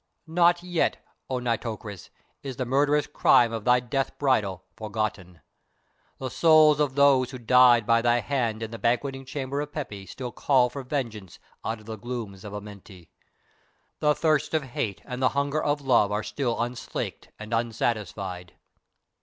Not yet, O Nitocris, is the murderous crime of thy death bridal forgotten. The souls of those who died by thy hand in the banqueting chamber of Pepi still call for vengeance out of the glooms of Amenti. The thirst of hate and the hunger of love are still unslaked and unsatisfied.